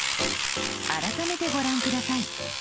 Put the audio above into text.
改めてご覧下さい。